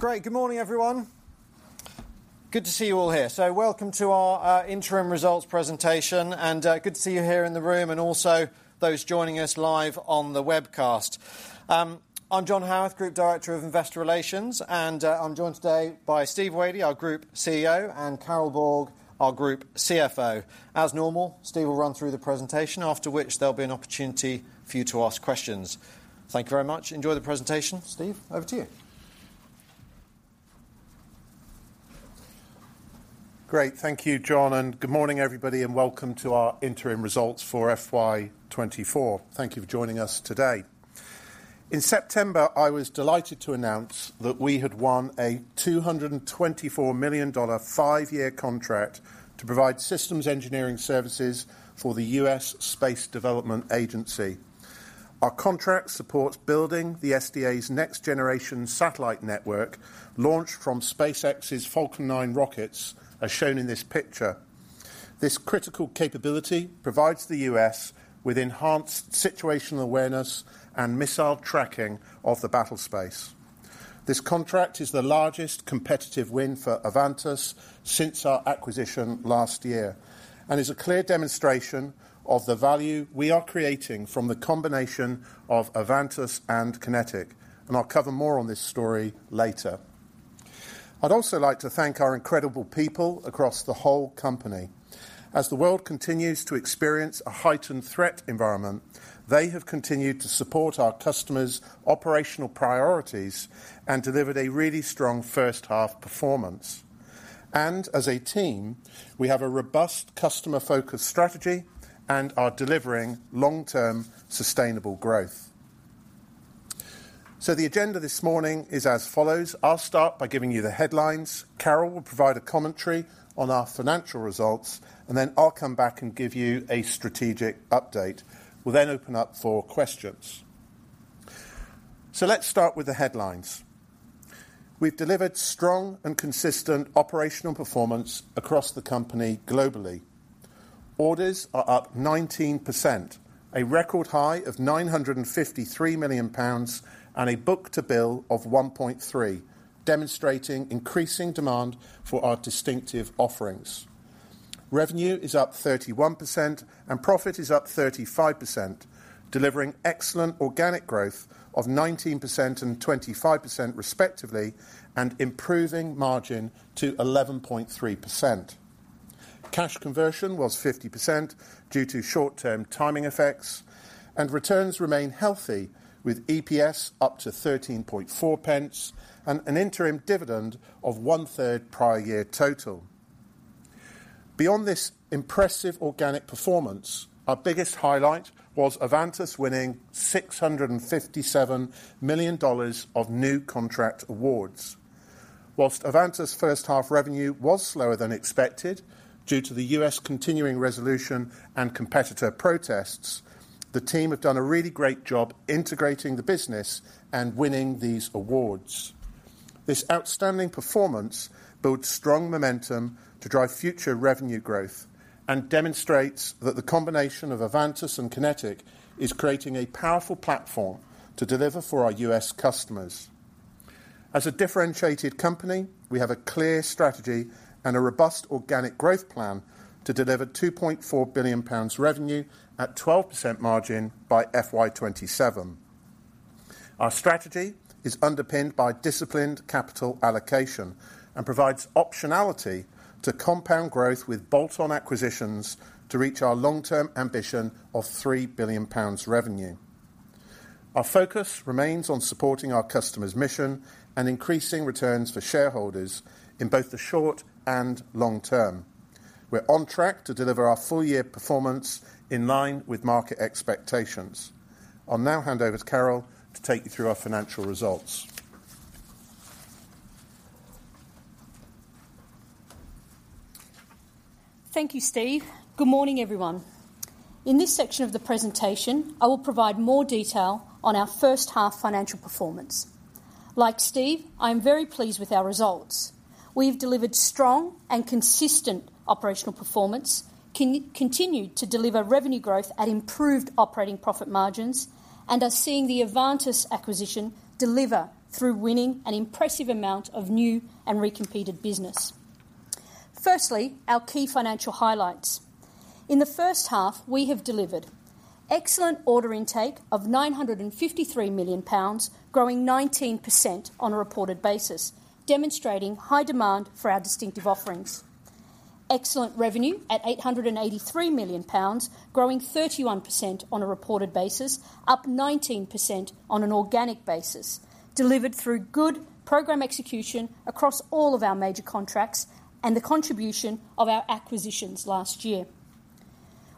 Great. Good morning, everyone. Good to see you all here. So welcome to our Interim Results Presentation, and good to see you here in the room and also those joining us live on the webcast. I'm John Haworth, Group Director of Investor Relations, and I'm joined today by Steve Wadey, our Group CEO, and Carol Borg, our Group CFO. As normal, Steve will run through the presentation, after which there'll be an opportunity for you to ask questions. Thank you very much. Enjoy the presentation. Steve, over to you. Great. Thank you, John, and good morning, everybody, and welcome to our Interim Results for FY 2024. Thank you for joining us today. In September, I was delighted to announce that we had won a $224 million five year contract to provide systems engineering services for the U.S. Space Development Agency. Our contract supports building the SDA's next generation satellite network, launched from SpaceX's Falcon 9 rockets, as shown in this picture. This critical capability provides the U.S. with enhanced situational awareness and missile tracking of the battle space. This contract is the largest competitive win for Avantus since our acquisition last year, and is a clear demonstration of the value we are creating from the combination of Avantus and QinetiQ, and I'll cover more on this story later. I'd also like to thank our incredible people across the whole company. As the world continues to experience a heightened threat environment, they have continued to support our customers' operational priorities and delivered a really strong first-half performance. As a team, we have a robust customer-focused strategy and are delivering long-term sustainable growth. The agenda this morning is as follows: I'll start by giving you the headlines, Carol will provide a commentary on our financial results, and then I'll come back and give you a strategic update. We'll then open up for questions. Let's start with the headlines. We've delivered strong and consistent operational performance across the company globally. Orders are up 19%, a record high of 953 million pounds, and a book-to-bill of 1.3, demonstrating increasing demand for our distinctive offerings. Revenue is up 31% and profit is up 35%, delivering excellent organic growth of 19% and 25% respectively, and improving margin to 11.3%. Cash conversion was 50% due to short-term timing effects, and returns remain healthy, with EPS up to 13.4 and an interim dividend of one-third prior year total. Beyond this impressive organic performance, our biggest highlight was Avantus winning $657 million of new contract awards. While Avantus' first half revenue was slower than expected due to the U.S. continuing resolution and competitor protests, the team have done a really great job integrating the business and winning these awards. This outstanding performance builds strong momentum to drive future revenue growth and demonstrates that the combination of Avantus and QinetiQ is creating a powerful platform to deliver for our U.S. customers. As a differentiated company, we have a clear strategy and a robust organic growth plan to deliver 2.4 billion pounds revenue at 12% margin by FY 2027. Our strategy is underpinned by disciplined capital allocation and provides optionality to compound growth with bolt-on acquisitions to reach our long-term ambition of 3 billion pounds revenue. Our focus remains on supporting our customers' mission and increasing returns for shareholders in both the short and long term. We're on track to deliver our full-year performance in line with market expectations. I'll now hand over to Carol to take you through our financial results. Thank you, Steve. Good morning, everyone. In this section of the presentation, I will provide more detail on our first half financial performance. Like Steve, I am very pleased with our results. We've delivered strong and consistent operational performance, continued to deliver revenue growth at improved operating profit margins, and are seeing the Avantus acquisition deliver through winning an impressive amount of new and recompeted business. Firstly, our key financial highlights. In the first half, we have delivered excellent order intake of 953 million pounds, growing 19% on a reported basis, demonstrating high demand for our distinctive offerings. Excellent revenue at 883 million pounds, growing 31% on a reported basis, up 19% on an organic basis, delivered through good program execution across all of our major contracts and the contribution of our acquisitions last year.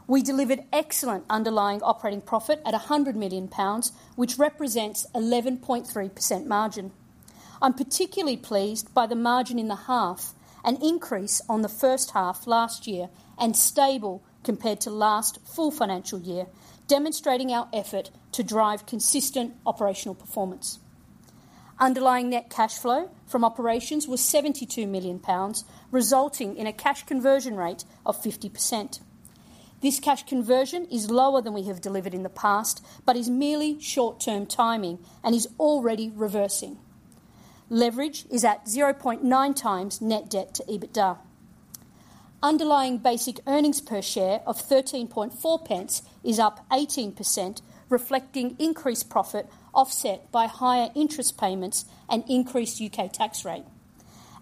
We delivered excellent underlying operating profit at 100 million pounds, which represents 11.3% margin. I'm particularly pleased by the margin in the half, an increase on the first half last year, and stable compared to last full financial year, demonstrating our effort to drive consistent operational performance. Underlying net cash flow from operations was 72 million pounds, resulting in a cash conversion rate of 50%. This cash conversion is lower than we have delivered in the past, but is merely short-term timing and is already reversing. Leverage is at 0.9x net debt to EBITDA. Underlying basic earnings per share of 13.4 is up 18%, reflecting increased profit, offset by higher interest payments and increased U.K. tax rate.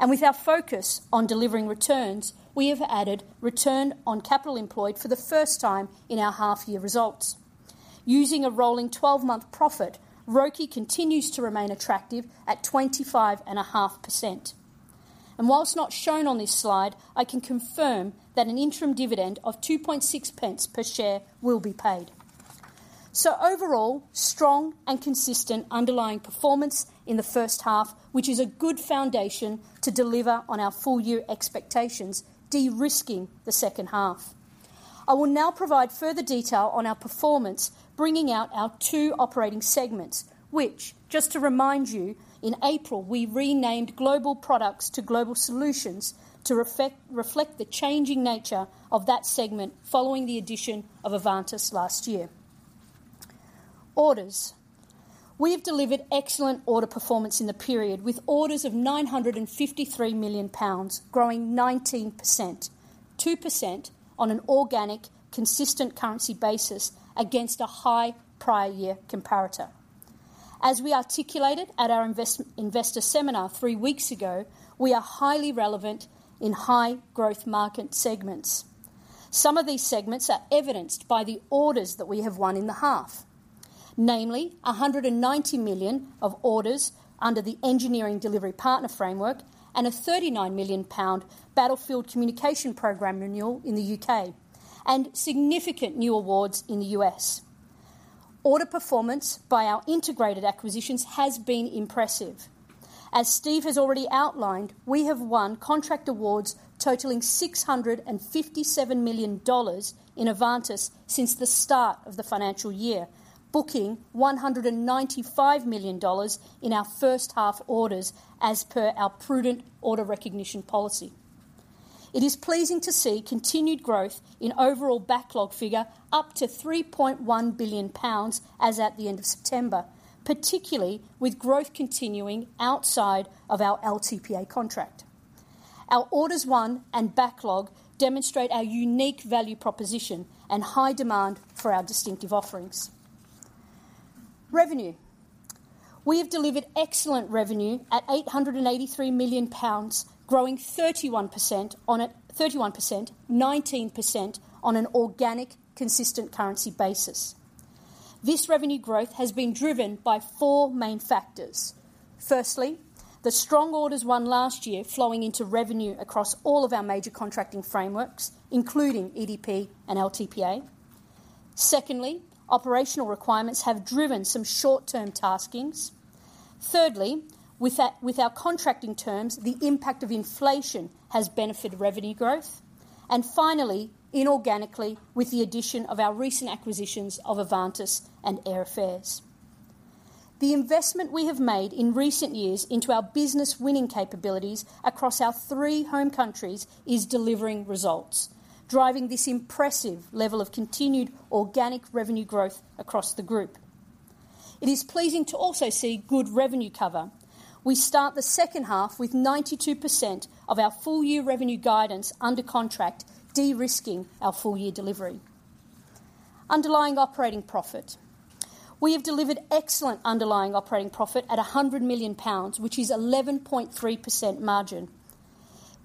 With our focus on delivering returns, we have added return on capital employed for the first time in our half-year results. Using a rolling 12-month profit, ROCE continues to remain attractive at 25.5%. While not shown on this slide, I can confirm that an interim dividend of 2.6 per share will be paid. Overall, strong and consistent underlying performance in the first half, which is a good foundation to deliver on our full-year expectations, de-risking the second half. I will now provide further detail on our performance, bringing out our two operating segments, which, just to remind you, in April, we renamed Global Products to Global Solutions to reflect the changing nature of that segment following the addition of Avantus last year. Orders: We have delivered excellent order performance in the period, with orders of 953 million pounds, growing 19%, 2% on an organic, consistent currency basis against a high prior year comparator. As we articulated at our investor seminar three weeks ago, we are highly relevant in high growth market segments. Some of these segments are evidenced by the orders that we have won in the half, namely 190 million of orders under the Engineering Delivery Partner framework and a 39 million pound Battlefield Communication Program renewal in the U.K., and significant new awards in the U.S. Order performance by our integrated acquisitions has been impressive. As Steve has already outlined, we have won contract awards totaling $657 million in Avantus since the start of the financial year, booking $195 million in our first half orders, as per our prudent order recognition policy. It is pleasing to see continued growth in overall backlog figure up to 3.1 billion pounds as at the end of September, particularly with growth continuing outside of our LTPA contract. Our orders won and backlog demonstrate our unique value proposition and high demand for our distinctive offerings. Revenue: We have delivered excellent revenue at 883 million pounds, growing 31%, 19% on an organic, consistent currency basis. This revenue growth has been driven by four main factors. Firstly, the strong orders won last year flowing into revenue across all of our major contracting frameworks, including EDP and LTPA. Secondly, operational requirements have driven some short-term taskings. Thirdly, with our contracting terms, the impact of inflation has benefited revenue growth. And finally, inorganically, with the addition of our recent acquisitions of Avantus and Air Affairs. The investment we have made in recent years into our business-winning capabilities across our three home countries is delivering results, driving this impressive level of continued organic revenue growth across the group. It is pleasing to also see good revenue cover. We start the second half with 92% of our full-year revenue guidance under contract, de-risking our full-year delivery. Underlying operating profit: We have delivered excellent underlying operating profit at 100 million pounds, which is 11.3% margin.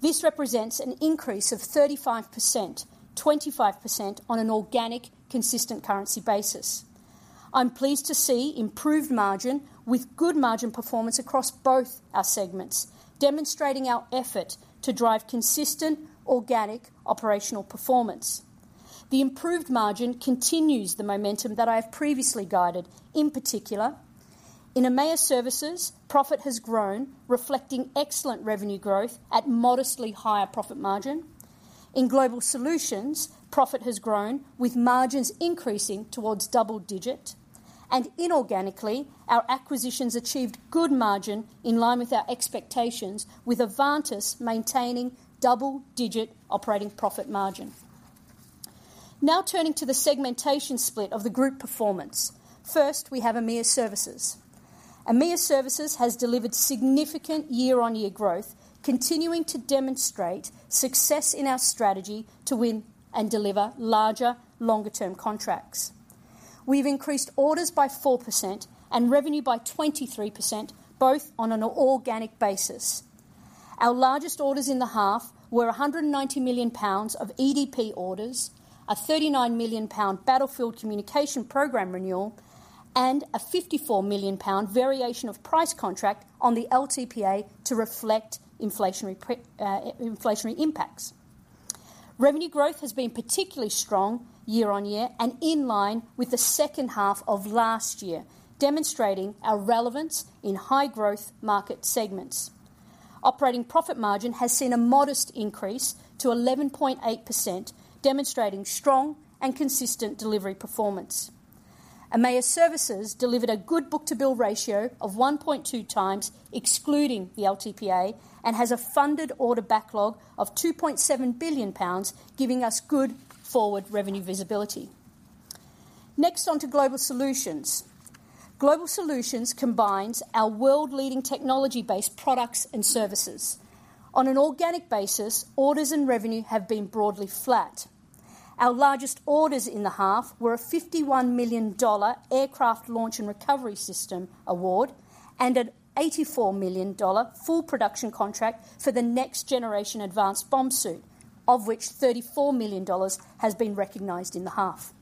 This represents an increase of 35%, 25% on an organic, consistent currency basis. I'm pleased to see improved margin with good margin performance across both our segments, demonstrating our effort to drive consistent organic operational performance. The improved margin continues the momentum that I have previously guided, in particular, in EMEA Services, profit has grown, reflecting excellent revenue growth at modestly higher profit margin. In Global Solutions, profit has grown, with margins increasing towards double digit, and inorganically, our acquisitions achieved good margin in line with our expectations, with Avantus maintaining double-digit operating profit margin. Now, turning to the segmentation split of the group performance. First, we have EMEA Services. EMEA Services has delivered significant year-on-year growth, continuing to demonstrate success in our strategy to win and deliver larger, longer-term contracts. We've increased orders by 4% and revenue by 23%, both on an organic basis. Our largest orders in the half were 190 million pounds of EDP orders, a 39 million pound Battlefield Communication Program renewal, and a 54 million pound variation of price contract on the LTPA to reflect inflationary pressures. Revenue growth has been particularly strong year-on-year and in line with the second half of last year, demonstrating our relevance in high-growth market segments. Operating profit margin has seen a modest increase to 11.8%, demonstrating strong and consistent delivery performance. EMEA Services delivered a good book-to-bill ratio of 1.2x, excluding the LTPA, and has a funded order backlog of 2.7 billion pounds, giving us good forward revenue visibility. Next, on to Global Solutions. Global Solutions combines our world-leading technology-based products and services. On an organic basis, orders and revenue have been broadly flat. Our largest orders in the half were a $51 million aircraft launch and recovery system award and an $84 million full production contract for the Next Generation Advanced Bomb Suit, of which $34 million has been recognized in the half.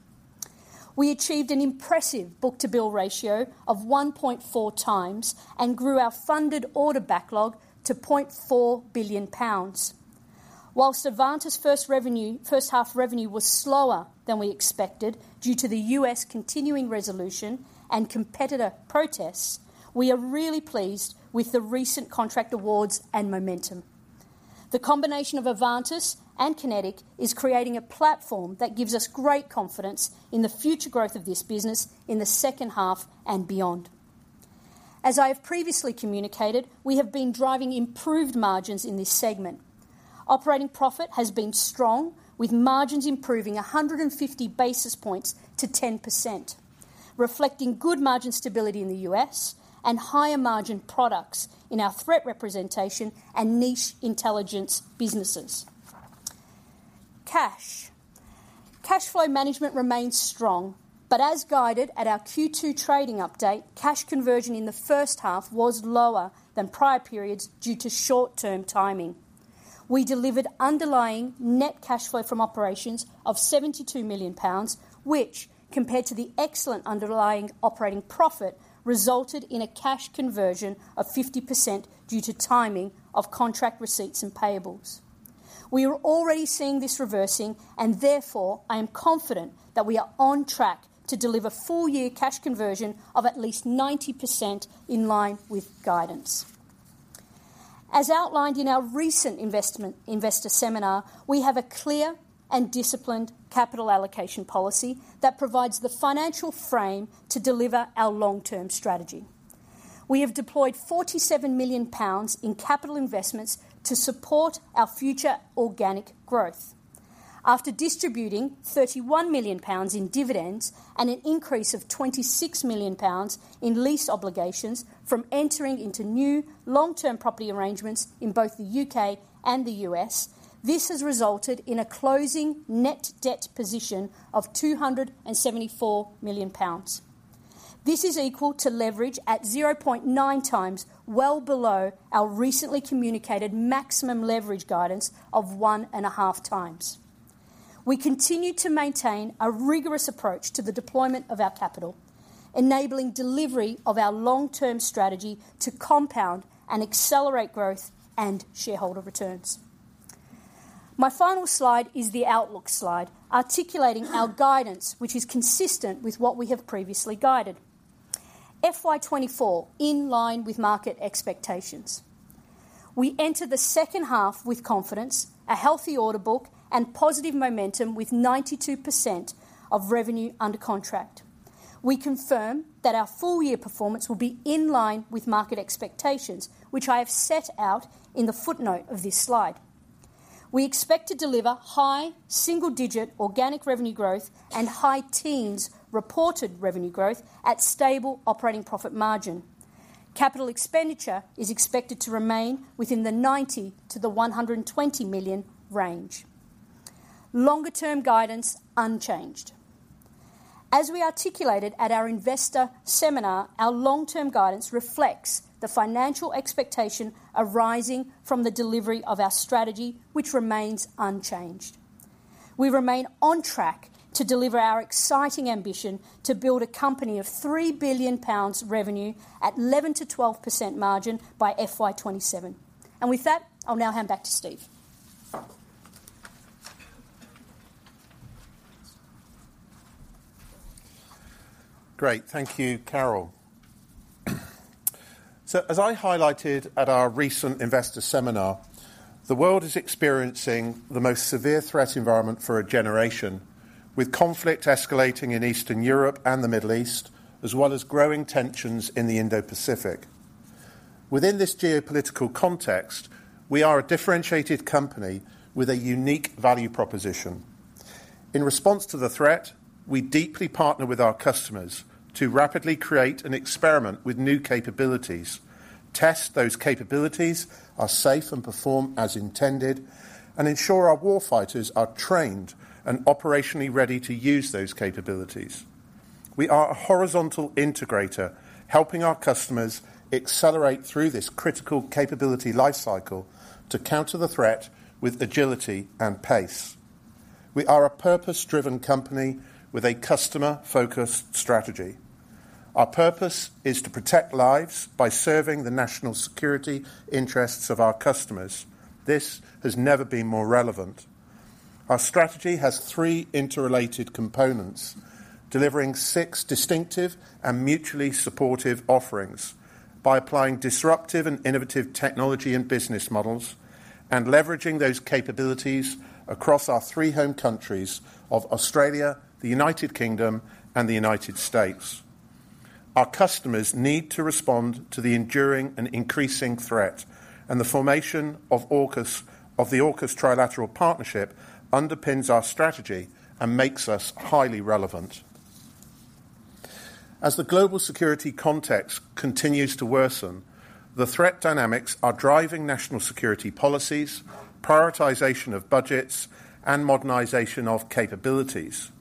We achieved an impressive book-to-bill ratio of 1.4x and grew our funded order backlog to 0.4 billion pounds. While Avantus first revenue - first half revenue was slower than we expected due to the U.S. continuing resolution and competitor protests, we are really pleased with the recent contract awards and momentum. The combination of Avantus and QinetiQ is creating a platform that gives us great confidence in the future growth of this business in the second half and beyond. As I have previously communicated, we have been driving improved margins in this segment. Operating profit has been strong, with margins improving 150 basis points to 10%, reflecting good margin stability in the U.S. and higher-margin products in our threat representation and niche intelligence businesses. Cash flow management remains strong, but as guided at our Q2 trading update, cash conversion in the first half was lower than prior periods due to short-term timing. We delivered underlying net cash flow from operations of 72 million pounds, which, compared to the excellent underlying operating profit, resulted in a cash conversion of 50% due to timing of contract receipts and payables. We are already seeing this reversing, and therefore, I am confident that we are on track to deliver full-year cash conversion of at least 90% in line with guidance. As outlined in our recent investor seminar, we have a clear and disciplined capital allocation policy that provides the financial frame to deliver our long-term strategy. We have deployed 47 million pounds in capital investments to support our future organic growth. After distributing 31 million pounds in dividends and an increase of 26 million pounds in lease obligations from entering into new long-term property arrangements in both the U.K. and the U.S., this has resulted in a closing net debt position of 274 million pounds. This is equal to leverage at 0.9x, well below our recently communicated maximum leverage guidance of 1.5x. We continue to maintain a rigorous approach to the deployment of our capital, enabling delivery of our long-term strategy to compound and accelerate growth and shareholder returns. My final slide is the outlook slide, articulating our guidance, which is consistent with what we have previously guided. FY 2024, in line with market expectations. We enter the second half with confidence, a healthy order book, and positive momentum, with 92% of revenue under contract. We confirm that our full-year performance will be in line with market expectations, which I have set out in the footnote of this slide. We expect to deliver high single-digit organic revenue growth and high teens reported revenue growth at stable operating profit margin. Capital expenditure is expected to remain within the 90-120 million range. Longer-term guidance unchanged. As we articulated at our investor seminar, our long-term guidance reflects the financial expectation arising from the delivery of our strategy, which remains unchanged. We remain on track to deliver our exciting ambition to build a company of 3 billion pounds revenue at 11%-12% margin by FY 2027. With that, I'll now hand back to Steve. Great. Thank you, Carol. So as I highlighted at our recent investor seminar, the world is experiencing the most severe threat environment for a generation, with conflict escalating in Eastern Europe and the Middle East, as well as growing tensions in the Indo-Pacific. Within this geopolitical context, we are a differentiated company with a unique value proposition. In response to the threat, we deeply partner with our customers to rapidly create and experiment with new capabilities, test those capabilities are safe and perform as intended, and ensure our warfighters are trained and operationally ready to use those capabilities. We are a horizontal integrator, helping our customers accelerate through this critical capability life cycle to counter the threat with agility and pace. We are a purpose-driven company with a customer-focused strategy. Our purpose is to protect lives by serving the national security interests of our customers. This has never been more relevant. Our strategy has three interrelated components, delivering six distinctive and mutually supportive offerings by applying disruptive and innovative technology and business models, and leveraging those capabilities across our three home countries of Australia, the United Kingdom, and the United States. Our customers need to respond to the enduring and increasing threat, and the formation of AUKUS, of the AUKUS trilateral partnership underpins our strategy and makes us highly relevant. As the global security context continues to worsen, the threat dynamics are driving national security policies, prioritization of budgets, and modernization of capabilities.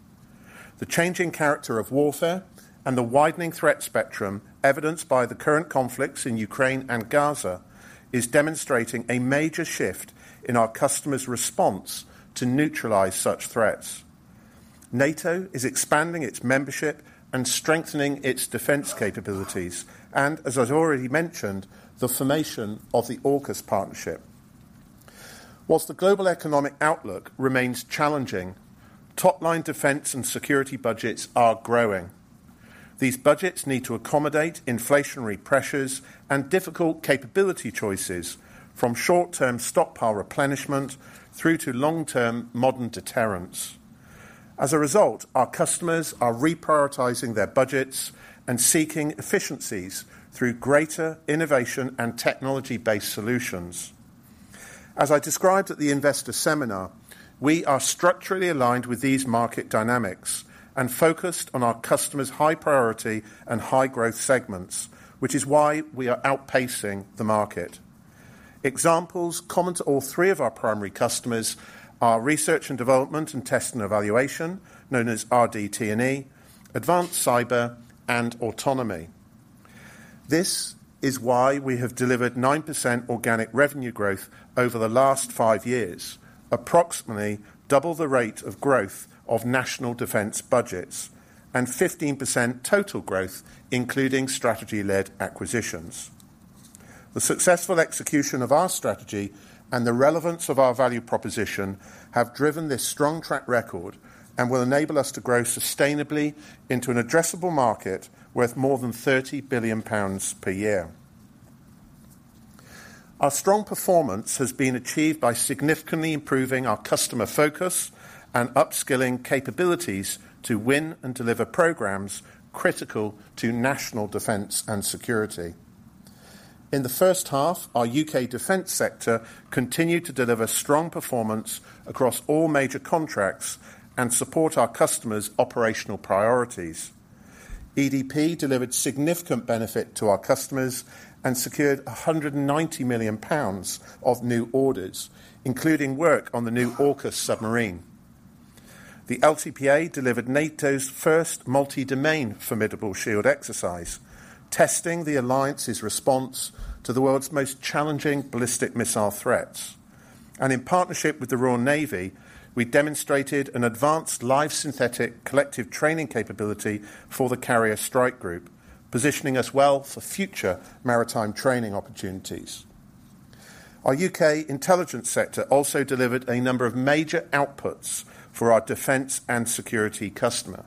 The changing character of warfare and the widening threat spectrum, evidenced by the current conflicts in Ukraine and Gaza, is demonstrating a major shift in our customers' response to neutralize such threats. NATO is expanding its membership and strengthening its defense capabilities, and as I've already mentioned, the formation of the AUKUS partnership. While the global economic outlook remains challenging, top-line defense and security budgets are growing. These budgets need to accommodate inflationary pressures and difficult capability choices, from short-term stockpile replenishment through to long-term modern deterrence. As a result, our customers are reprioritizing their budgets and seeking efficiencies through greater innovation and technology-based solutions. As I described at the investor seminar, we are structurally aligned with these market dynamics and focused on our customers' high-priority and high-growth segments, which is why we are outpacing the market. Examples common to all three of our primary customers are research and development, and test and evaluation, known as RDT&E, advanced cyber, and autonomy. This is why we have delivered 9% organic revenue growth over the last five years, approximately double the rate of growth of national defense budgets, and 15% total growth, including strategy-led acquisitions. The successful execution of our strategy and the relevance of our value proposition have driven this strong track record and will enable us to grow sustainably into an addressable market worth more than 30 billion pounds per year. Our strong performance has been achieved by significantly improving our customer focus and upskilling capabilities to win and deliver programs critical to national defense and security. In the first half, our U.K. defense sector continued to deliver strong performance across all major contracts and support our customers' operational priorities. EDP delivered significant benefit to our customers and secured 190 million pounds of new orders, including work on the new AUKUS submarine. The LTPA delivered NATO's first multi-domain Formidable Shield exercise, testing the alliance's response to the world's most challenging ballistic missile threats. In partnership with the Royal Navy, we demonstrated an advanced live synthetic collective training capability for the Carrier Strike Group, positioning us well for future maritime training opportunities. Our U.K. intelligence sector also delivered a number of major outputs for our defense and security customer.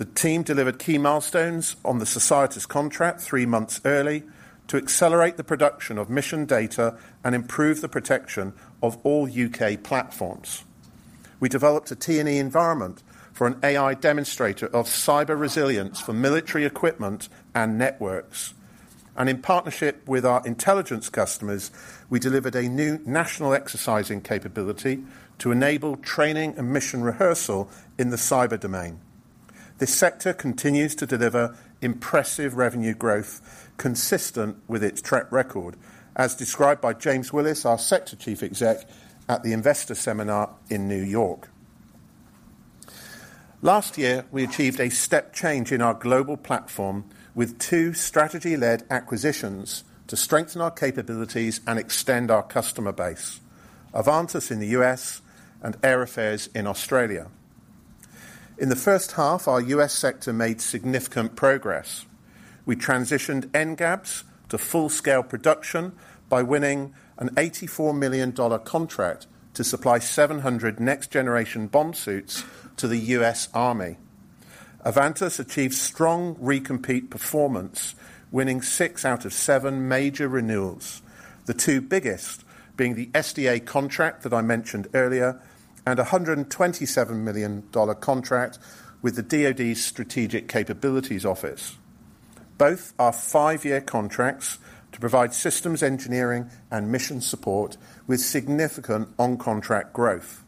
The team delivered key milestones on the SOCIETAS contract three months early to accelerate the production of mission data and improve the protection of all U.K. platforms. We developed a T&E environment for an AI demonstrator of cyber resilience for military equipment and networks. In partnership with our intelligence customers, we delivered a new national exercising capability to enable training and mission rehearsal in the cyber domain. This sector continues to deliver impressive revenue growth consistent with its track record, as described by James Willis, our sector chief exec, at the investor seminar in New York. Last year, we achieved a step change in our global platform with two strategy-led acquisitions to strengthen our capabilities and extend our customer base: Avantus in the U.S. and Air Affairs in Australia. In the first half, our U.S. sector made significant progress. We transitioned NGABS to full-scale production by winning an $84 million contract to supply 700 next-generation bomb suits to the U.S. Army. Avantus achieved strong recompete performance, winning six out of seven major renewals, the two biggest being the SDA contract that I mentioned earlier, and a $127 million contract with the DoD's Strategic Capabilities Office. Both are five-year contracts to provide systems engineering and mission support with significant on-contract growth.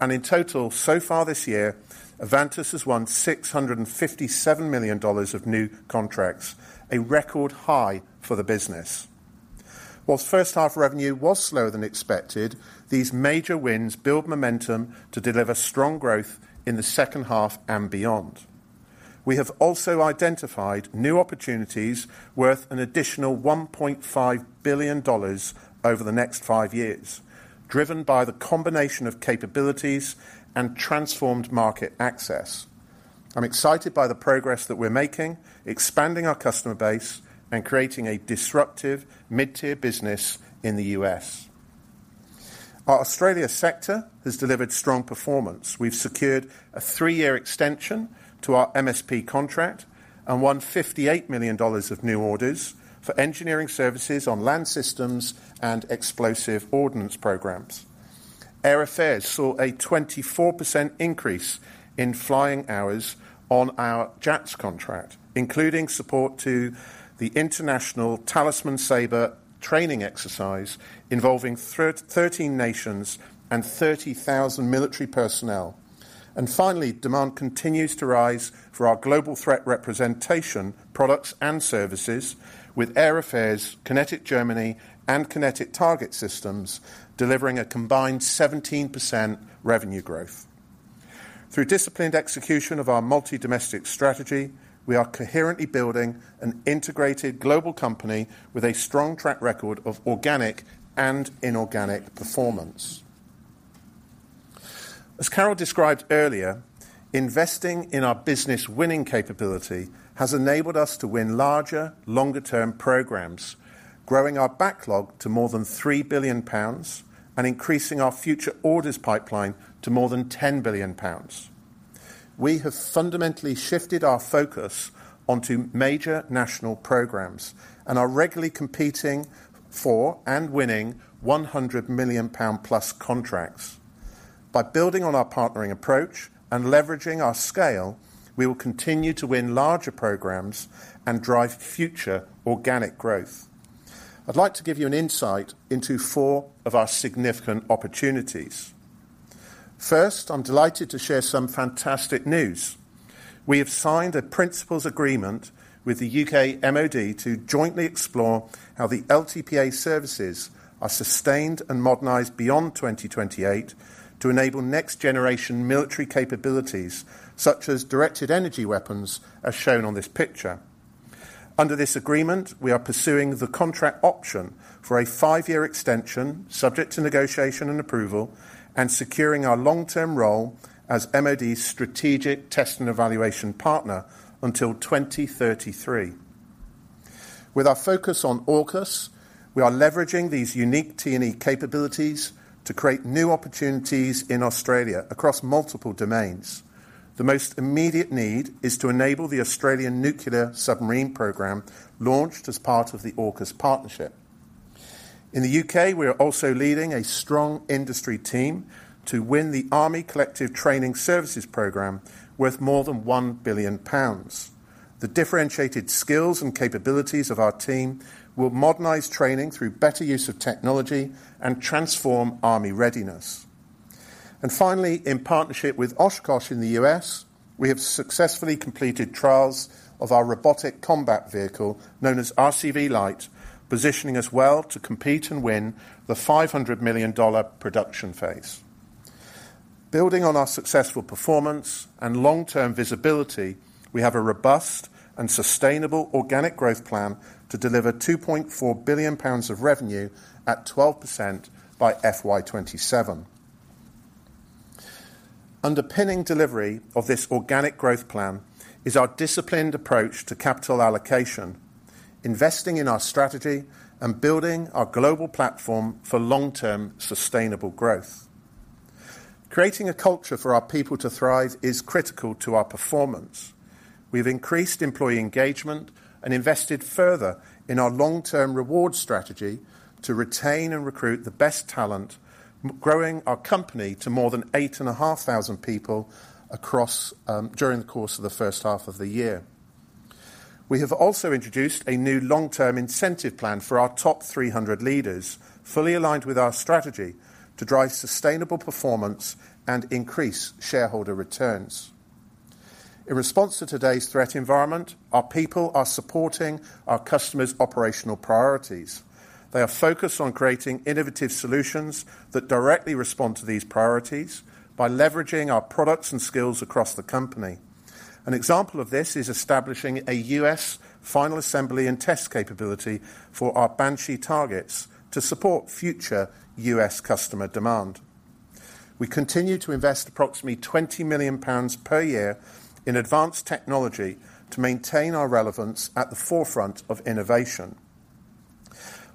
In total, so far this year, Avantus has won $657 million of new contracts, a record high for the business. While first half revenue was slower than expected, these major wins build momentum to deliver strong growth in the second half and beyond. We have also identified new opportunities worth an additional $1.5 billion over the next five years, driven by the combination of capabilities and transformed market access. I'm excited by the progress that we're making, expanding our customer base, and creating a disruptive mid-tier business in the U.S. Our Australia sector has delivered strong performance. We've secured a three-year extension to our MSP contract and won $58 million of new orders for engineering services on land systems and explosive ordnance programs. Air Affairs saw a 24% increase in flying hours on our JATS contract, including support to the International Talisman Sabre training exercise, involving 13 nations and 30,000 military personnel. And finally, demand continues to rise for our global threat representation, products, and services with Air Affairs, QinetiQ Germany, and QinetiQ Target Systems, delivering a combined 17% revenue growth. Through disciplined execution of our multi-domestic strategy, we are coherently building an integrated global company with a strong track record of organic and inorganic performance. As Carol described earlier, investing in our business-winning capability has enabled us to win larger, longer-term programs, growing our backlog to more than 3 billion pounds, and increasing our future orders pipeline to more than 10 billion pounds. We have fundamentally shifted our focus onto major national programs, and are regularly competing for and winning 100 million pound+ contracts. By building on our partnering approach and leveraging our scale, we will continue to win larger programs and drive future organic growth. I'd like to give you an insight into 4 of our significant opportunities. First, I'm delighted to share some fantastic news. We have signed a principles agreement with the U.K. MoD to jointly explore how the LTPA services are sustained and modernized beyond 2028 to enable next-generation military capabilities, such as directed energy weapons, as shown on this picture. Under this agreement, we are pursuing the contract option for a five year extension, subject to negotiation and approval, and securing our long-term role as MoD's strategic test and evaluation partner until 2033. With our focus on AUKUS, we are leveraging these unique T&E capabilities to create new opportunities in Australia across multiple domains. The most immediate need is to enable the Australian nuclear submarine program, launched as part of the AUKUS partnership. In the U.K., we are also leading a strong industry team to win the Army Collective Training Services program, worth more than 1 billion pounds. The differentiated skills and capabilities of our team will modernize training through better use of technology and transform Army readiness. And finally, in partnership with Oshkosh in the U.S., we have successfully completed trials of our robotic combat vehicle, known as RCV Lite, positioning us well to compete and win the $500 million production phase. Building on our successful performance and long-term visibility, we have a robust and sustainable organic growth plan to deliver 2.4 billion pounds of revenue at 12% by FY 2027. Underpinning delivery of this organic growth plan is our disciplined approach to capital allocation, investing in our strategy, and building our global platform for long-term sustainable growth. Creating a culture for our people to thrive is critical to our performance. We've increased employee engagement and invested further in our long-term reward strategy to retain and recruit the best talent, growing our company to more than 8,500 people across, during the course of the first half of the year. We have also introduced a new long-term incentive plan for our top 300 leaders, fully aligned with our strategy to drive sustainable performance and increase shareholder returns. In response to today's threat environment, our people are supporting our customers' operational priorities. They are focused on creating innovative solutions that directly respond to these priorities by leveraging our products and skills across the company. An example of this is establishing a U.S. final assembly and test capability for our Banshee targets to support future U.S. customer demand. We continue to invest approximately 20 million pounds per year in advanced technology to maintain our relevance at the forefront of innovation.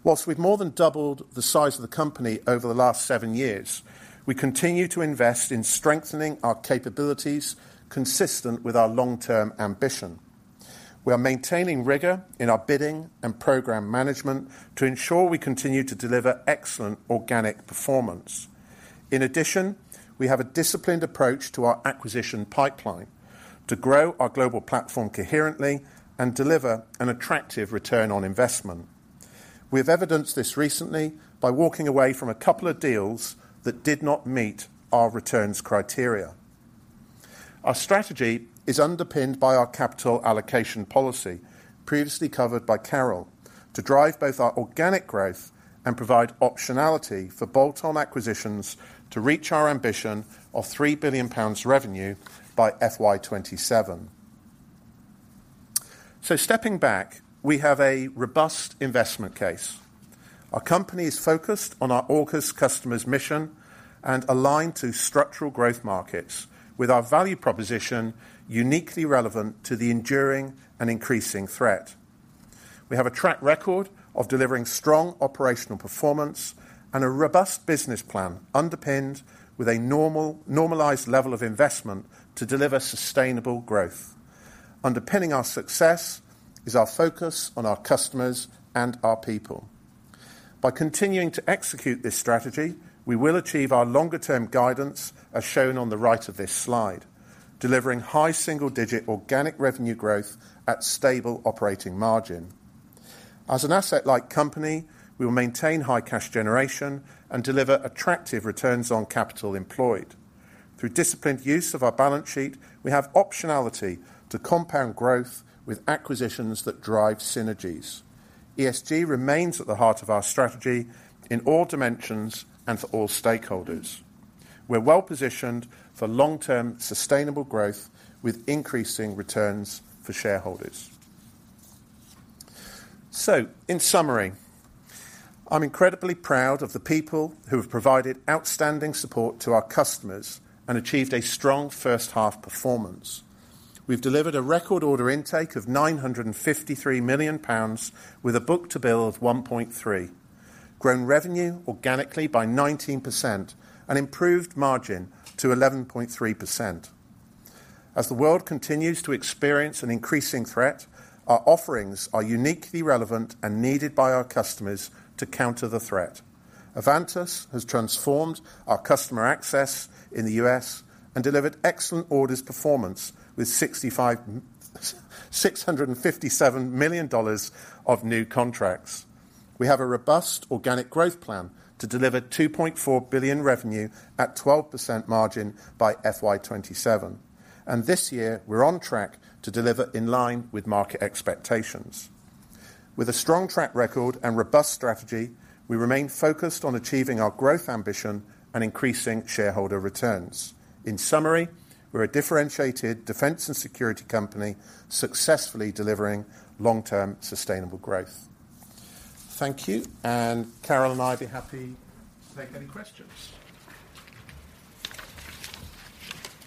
While we've more than doubled the size of the company over the last 7 years, we continue to invest in strengthening our capabilities, consistent with our long-term ambition. We are maintaining rigor in our bidding and program management to ensure we continue to deliver excellent organic performance. In addition, we have a disciplined approach to our acquisition pipeline to grow our global platform coherently and deliver an attractive return on investment. We have evidenced this recently by walking away from a couple of deals that did not meet our returns criteria. Our strategy is underpinned by our capital allocation policy, previously covered by Carol, to drive both our organic growth and provide optionality for bolt-on acquisitions to reach our ambition of 3 billion pounds revenue by FY 2027. So stepping back, we have a robust investment case. Our company is focused on our AUKUS customer's mission and aligned to structural growth markets, with our value proposition uniquely relevant to the enduring and increasing threat. We have a track record of delivering strong operational performance and a robust business plan, underpinned with a normalized level of investment to deliver sustainable growth, underpinning our success is our focus on our customers and our people. By continuing to execute this strategy, we will achieve our longer-term guidance, as shown on the right of this slide, delivering high single-digit organic revenue growth at stable operating margin. As an asset-light company, we will maintain high cash generation and deliver attractive returns on capital employed. Through disciplined use of our balance sheet, we have optionality to compound growth with acquisitions that drive synergies. ESG remains at the heart of our strategy in all dimensions and for all stakeholders. We're well-positioned for long-term, sustainable growth with increasing returns for shareholders. So, in summary, I'm incredibly proud of the people who have provided outstanding support to our customers and achieved a strong first-half performance. We've delivered a record order intake of 953 million pounds, with a book-to-bill of 1.3, grown revenue organically by 19%, and improved margin to 11.3%. As the world continues to experience an increasing threat, our offerings are uniquely relevant and needed by our customers to counter the threat. Avantus has transformed our customer access in the U.S. and delivered excellent orders performance with $657 million of new contracts. We have a robust organic growth plan to deliver $2.4 billion revenue at 12% margin by FY 2027, and this year, we're on track to deliver in line with market expectations. With a strong track record and robust strategy, we remain focused on achieving our growth ambition and increasing shareholder returns. In summary, we're a differentiated defense and security company, successfully delivering long-term, sustainable growth. Thank you, and Carol and I will be happy to take any questions.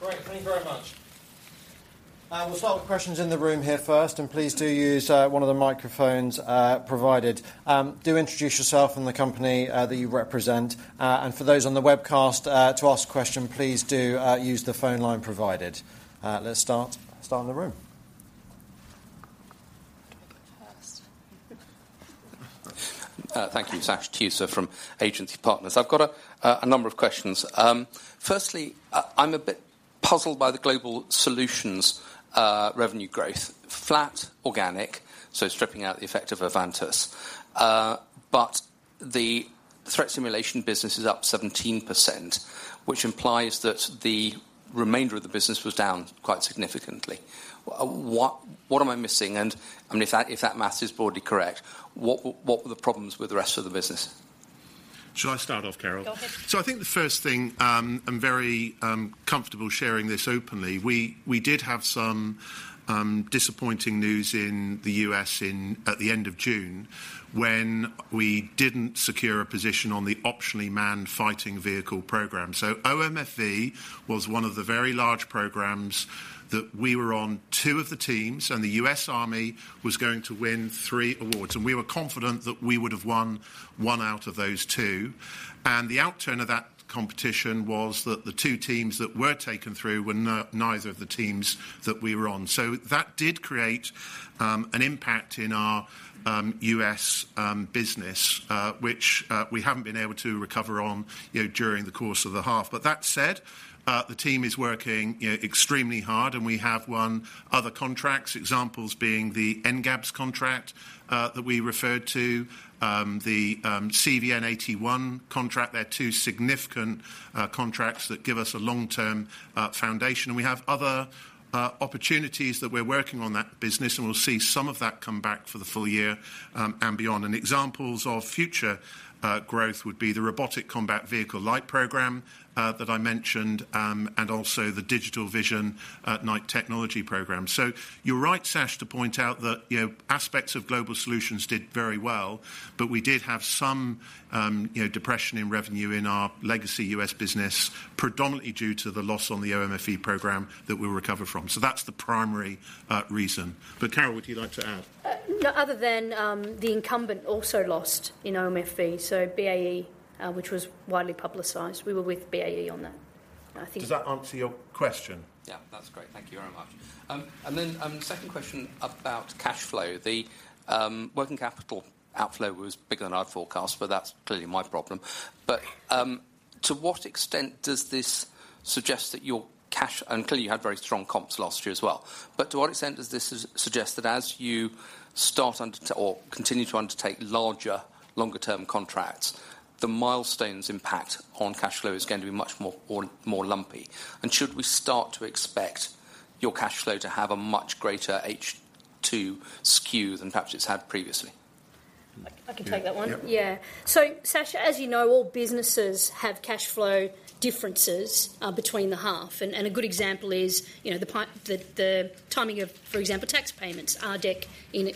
Great, thank you very much. We'll start with questions in the room here first, and please do use one of the microphones provided. Do introduce yourself and the company that you represent. And for those on the webcast to ask a question, please do use the phone line provided. Let's start in the room. Do I go first? Thank you. Sasha Tusa from Agency Partners. I've got a number of questions. Firstly, I'm a bit puzzled by the global solutions revenue growth, flat, organic, so stripping out the effect of Avantus. But the threat simulation business is up 17%, which implies that the remainder of the business was down quite significantly. What am I missing? And, I mean, if that math is broadly correct, what were the problems with the rest of the business? Should I start off, Carol? Go ahead. I think the first thing, I'm very comfortable sharing this openly, we did have some disappointing news in the U.S. in at the end of June, when we didn't secure a position on the Optionally Manned Fighting Vehicle program. So OMFV was one of the very large programs that we were on two of the teams, and the U.S. Army was going to win three awards, and we were confident that we would have won one out of those two. And the outturn of that competition was that the two teams that were taken through were neither of the teams that we were on. So that did create an impact in our U.S. business, which we haven't been able to recover on, you know, during the course of the half. But that said, the team is working, you know, extremely hard, and we have won other contracts, examples being the NGABS contract that we referred to, the CVN-81 contract. They're two significant contracts that give us a long-term foundation. We have other opportunities that we're working on that business, and we'll see some of that come back for the full year, and beyond. And examples of future growth would be the Robotic Combat Vehicle Light program that I mentioned, and also the Digital Vision Night Technology program. So you're right, Sasha, to point out that, you know, aspects of Global Solutions did very well, but we did have some, you know, depression in revenue in our legacy U.S. business, predominantly due to the loss on the OMFV program that we'll recover from. So that's the primary reason. But Carol, would you like to add? No, other than the incumbent also lost in OMFV, so BAE, which was widely publicized. We were with BAE on that, I think- Does that answer your question? Yeah, that's great. Thank you very much. And then, second question about cash flow. The working capital outflow was bigger than I'd forecast, but that's clearly my problem. But to what extent does this suggest that your cash, and clearly, you had very strong comps last year as well. But to what extent does this suggest that as you start to undertake or continue to undertake larger, longer-term contracts, the milestones impact on cash flow is going to be much more, or more lumpy? And should we start to expect your cash flow to have a much greater H2 skew than perhaps it's had previously? I can take that one. Yeah. Yeah. So Sasha, as you know, all businesses have cash flow differences between the half, and a good example is, you know, the timing of, for example, tax payments are recognized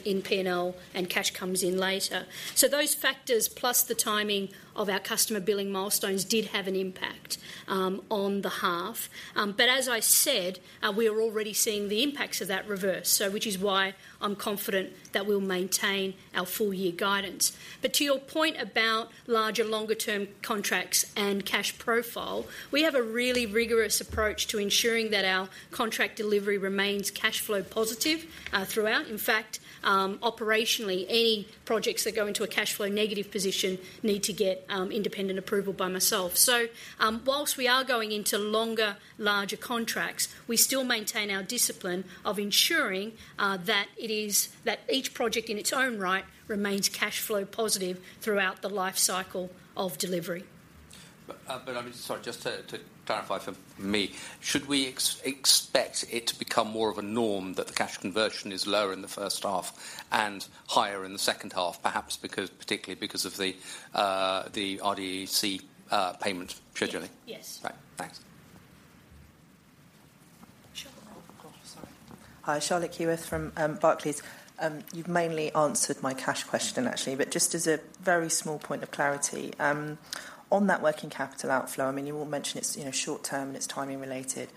in P&L, and cash comes in later. So those factors, plus the timing of our customer billing milestones, did have an impact on the half. But as I said, we are already seeing the impacts of that reverse, so which is why I'm confident that we'll maintain our full year guidance. But to your point about larger, longer-term contracts and cash profile, we have a really rigorous approach to ensuring that our contract delivery remains cash flow positive throughout. In fact, operationally, any projects that go into a cash flow negative position need to get independent approval by myself. Whilst we are going into longer, larger contracts, we still maintain our discipline of ensuring that each project in its own right remains cash flow positive throughout the lifecycle of delivery. ... but I mean, sorry, just to clarify for me, should we expect it to become more of a norm that the cash conversion is lower in the first half and higher in the second half, perhaps because, particularly because of the RDEC payment scheduling? Yes. Right. Thanks. Sure. Oh, sorry. Hi, Charlotte Keyworth from Barclays. You've mainly answered my cash question actually, but just as a very small point of clarity, on that working capital outflow, I mean, you all mentioned it's, you know, short term, and it's timing related.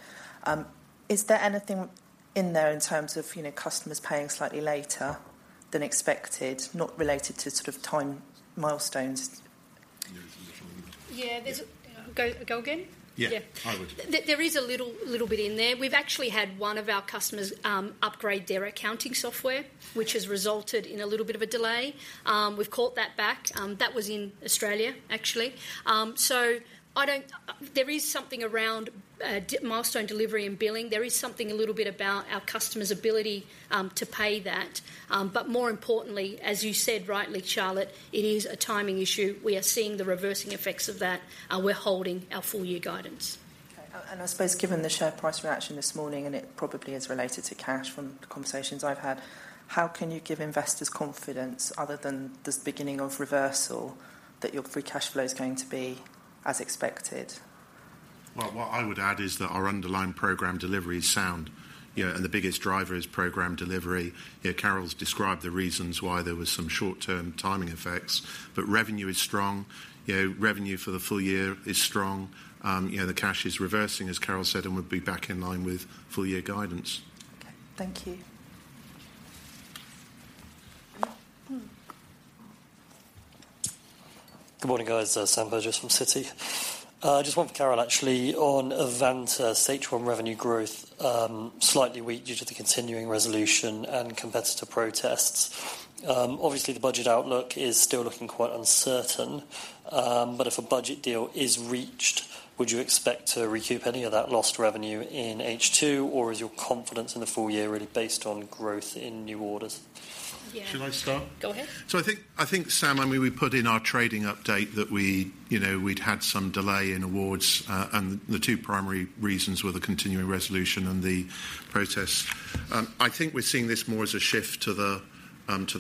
Is there anything in there in terms of, you know, customers paying slightly later than expected, not related to sort of time milestones? Yeah, there's. Go, go again? Yeah. Yeah. I would. There is a little bit in there. We've actually had one of our customers upgrade their accounting software, which has resulted in a little bit of a delay. We've caught that back. That was in Australia, actually. So there is something around milestone delivery and billing. There is something a little bit about our customers' ability to pay that. But more importantly, as you said rightly, Charlotte, it is a timing issue. We are seeing the reversing effects of that, and we're holding our full year guidance. Okay. And, I suppose given the share price reaction this morning, and it probably is related to cash from the conversations I've had, how can you give investors confidence other than this beginning of reversal, that your free cash flow is going to be as expected? Well, what I would add is that our underlying program delivery is sound. You know, and the biggest driver is program delivery. You know, Carol's described the reasons why there was some short-term timing effects, but revenue is strong. You know, revenue for the full year is strong. You know, the cash is reversing, as Carol said, and we'll be back in line with full year guidance. Okay, thank you. Mm. Good morning, guys. Sam Burgess from Citi. Just one for Carol, actually. On Avantus, H1 revenue growth, slightly weak due to the continuing resolution and competitor protests. Obviously, the budget outlook is still looking quite uncertain. But if a budget deal is reached, would you expect to recoup any of that lost revenue in H2, or is your confidence in the full year really based on growth in new orders? Yeah. Should I start? Go ahead. So I think, Sam, I mean, we put in our trading update that we, you know, we'd had some delay in awards, and the two primary reasons were the continuing resolution and the protests. I think we're seeing this more as a shift to the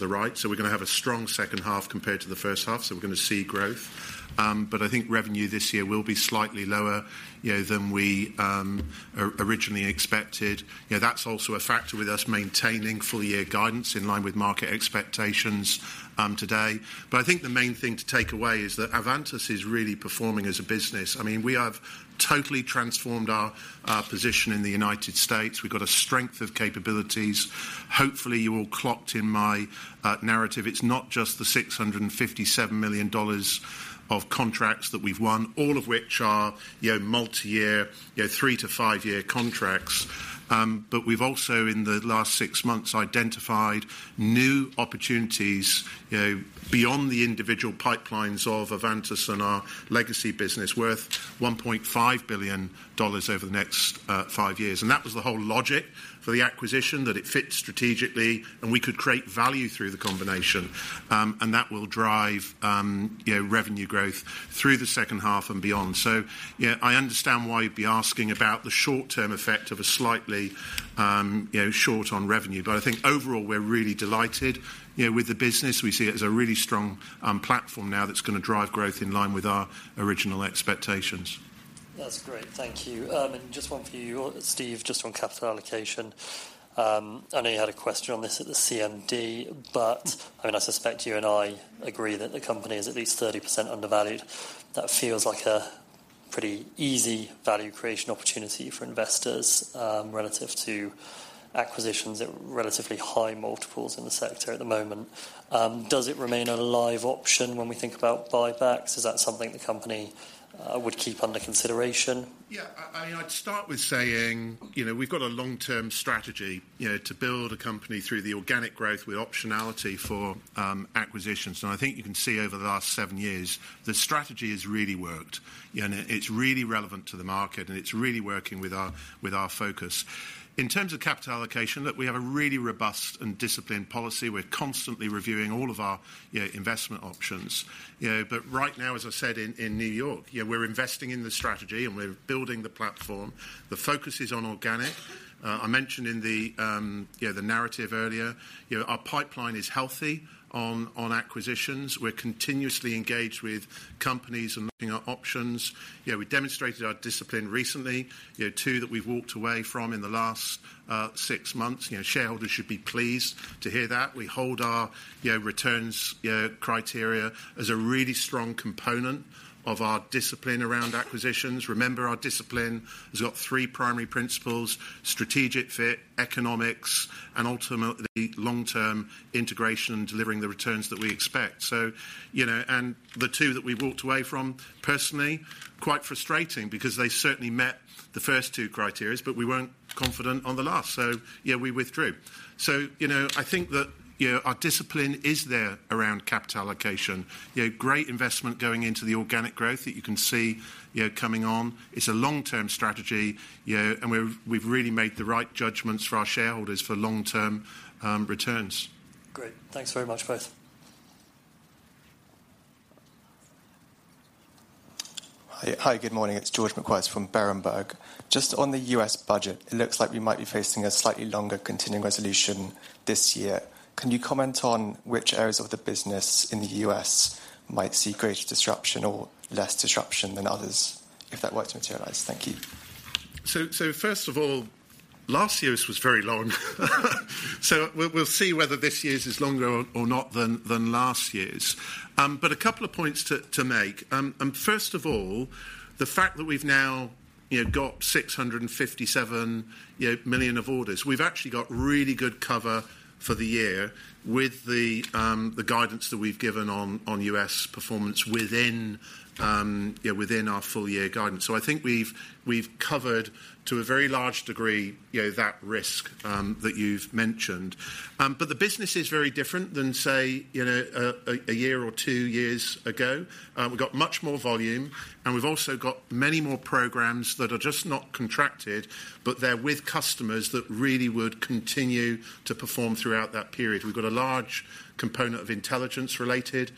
right. So we're gonna have a strong second half compared to the first half, so we're gonna see growth. But I think revenue this year will be slightly lower, you know, than we originally expected. You know, that's also a factor with us maintaining full year guidance in line with market expectations, today. But I think the main thing to take away is that Avantus is really performing as a business. I mean, we have totally transformed our position in the United States. We've got a strength of capabilities. Hopefully, you all clocked in my narrative, it's not just the $657 million of contracts that we've won, all of which are, you know, multi-year, you know, 3- to 5-year contracts. But we've also, in the last six months, identified new opportunities, you know, beyond the individual pipelines of Avantus and our legacy business, worth $1.5 billion over the next, 5 years. And that was the whole logic for the acquisition, that it fit strategically, and we could create value through the combination. And that will drive, you know, revenue growth through the second half and beyond. So, you know, I understand why you'd be asking about the short-term effect of a slightly, you know, short on revenue. But I think overall, we're really delighted, you know, with the business. We see it as a really strong platform now that's gonna drive growth in line with our original expectations. That's great, thank you. And just one for you, Steve, just on capital allocation. I know you had a question on this at the CMD, but, I mean, I suspect you and I agree that the company is at least 30% undervalued. That feels like a pretty easy value creation opportunity for investors, relative to acquisitions at relatively high multiples in the sector at the moment. Does it remain a live option when we think about buybacks? Is that something the company would keep under consideration? Yeah, I'd start with saying, you know, we've got a long-term strategy, you know, to build a company through the organic growth with optionality for acquisitions. And I think you can see over the last seven years, the strategy has really worked. You know, and it's really relevant to the market, and it's really working with our, with our focus. In terms of capital allocation, look, we have a really robust and disciplined policy. We're constantly reviewing all of our, you know, investment options. You know, but right now, as I said in New York, you know, we're investing in the strategy, and we're building the platform. The focus is on organic. I mentioned in the narrative earlier, you know, our pipeline is healthy on acquisitions. We're continuously engaged with companies and looking at options. You know, we demonstrated our discipline recently, you know, two that we've walked away from in the last six months. You know, shareholders should be pleased to hear that. We hold our, you know, returns, you know, criteria as a really strong component of our discipline around acquisitions. Remember, our discipline has got three primary principles: strategic fit, economics, and ultimately, long-term integration, delivering the returns that we expect. So, you know, and the two that we walked away from, personally, quite frustrating, because they certainly met the first two criteria, but we weren't confident on the last, so yeah, we withdrew. So, you know, I think that, you know, our discipline is there around capital allocation. You know, great investment going into the organic growth that you can see, you know, coming on. It's a long-term strategy, you know, and we've really made the right judgments for our shareholders for long-term returns. Great. Thanks very much, both.... Hi, good morning, it's George McWhirter from Berenberg. Just on the U.S. budget, it looks like we might be facing a slightly longer continuing resolution this year. Can you comment on which areas of the business in the U.S. might see greater disruption or less disruption than others, if that were to materialize? Thank you. So first of all, last year's was very long. So we'll see whether this year's is longer or not than last year's. But a couple of points to make. First of all, the fact that we've now, you know, got 657 million of orders, we've actually got really good cover for the year with the guidance that we've given on U.S. performance within our full year guidance. So I think we've covered, to a very large degree, you know, that risk that you've mentioned. But the business is very different than, say, you know, a year or two years ago. We've got much more volume, and we've also got many more programs that are just not contracted, but they're with customers that really would continue to perform throughout that period. We've got a large component of intelligence-related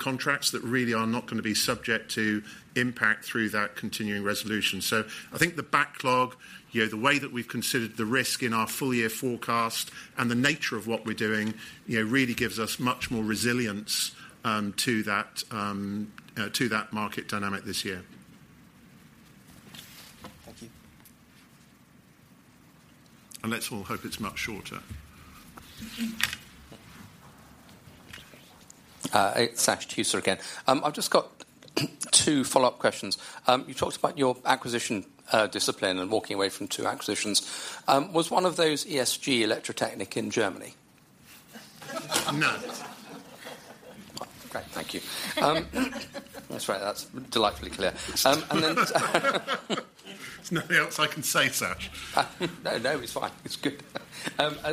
contracts that really are not going to be subject to impact through that Continuing resolution. So I think the backlog, you know, the way that we've considered the risk in our full year forecast and the nature of what we're doing, you know, really gives us much more resilience to that market dynamic this year. Thank you. Let's all hope it's much shorter. It's Sasha Tusa again. I've just got two follow-up questions. You talked about your acquisition discipline and walking away from two acquisitions. Was one of those ESG Electrotechnic in Germany? No. Great, thank you. That's right. That's delightfully clear. And then- There's nothing else I can say, Sasha. No, no, it's fine. It's good.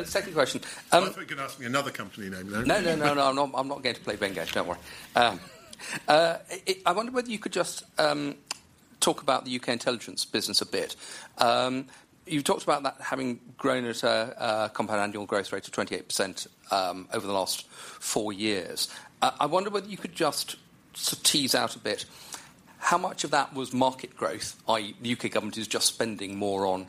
Second question. I thought you were going to ask me another company name then. No, no, no, no, I'm not, I'm not going to play vengeance, don't worry. I wonder whether you could just talk about the U.K. intelligence business a bit. You've talked about that having grown at a compound annual growth rate of 28% over the last four years. I wonder whether you could just sort of tease out a bit, how much of that was market growth, i.e., the U.K. government is just spending more on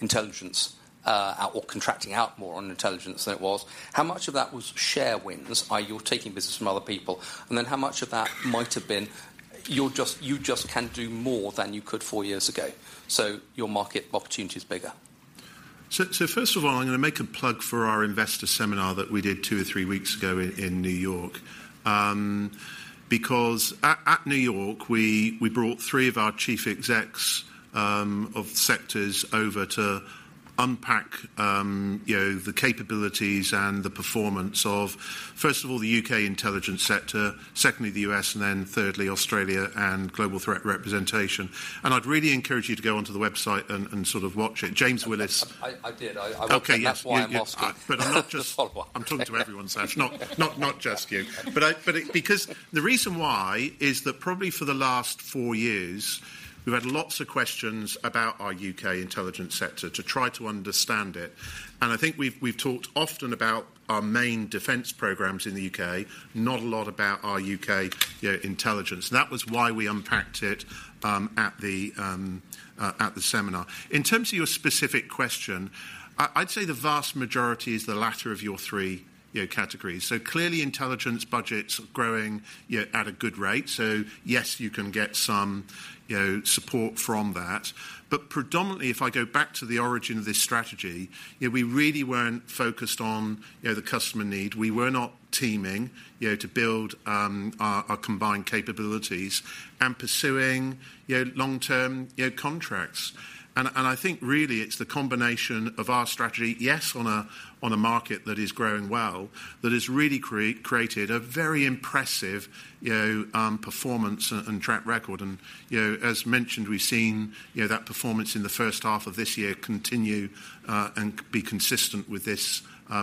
intelligence, or contracting out more on intelligence than it was? How much of that was share wins, i.e., you're taking business from other people? And then, how much of that might have been you just can do more than you could four years ago, so your market opportunity is bigger? So first of all, I'm going to make a plug for our investor seminar that we did two or three weeks ago in New York. Because at New York, we brought three of our chief execs of sectors over to unpack you know the capabilities and the performance of, first of all, the U.K. intelligence sector, secondly, the U.S., and then thirdly, Australia and global threat representation. I'd really encourage you to go onto the website and sort of watch it. James Willis- I did. Okay, yes. That's why I'm asking. But I'm not just- Follow up. I'm talking to everyone, Sasha, not, not, not just you. But because the reason why is that probably for the last four years, we've had lots of questions about our U.K. intelligence sector, to try to understand it, and I think we've talked often about our main defense programs in the U.K., not a lot about our U.K., you know, intelligence. That was why we unpacked it at the seminar. In terms of your specific question, I'd say the vast majority is the latter of your three, you know, categories. So clearly, intelligence budgets are growing, yet at a good rate, so yes, you can get some, you know, support from that. But predominantly, if I go back to the origin of this strategy, you know, we really weren't focused on, you know, the customer need. We were not teaming, you know, to build our combined capabilities and pursuing, you know, long-term, you know, contracts. And I think really, it's the combination of our strategy, yes, on a market that is growing well, that has really created a very impressive, you know, performance and track record. And, you know, as mentioned, we've seen, you know, that performance in the first half of this year continue and be consistent with this